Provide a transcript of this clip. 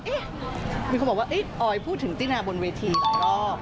มีคนบอกว่าออยพูดถึงตินาบนเวทีหลายรอบ